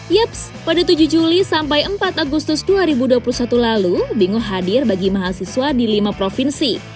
yeps pada tujuh juli sampai empat agustus dua ribu dua puluh satu lalu bingung hadir bagi mahasiswa di lima provinsi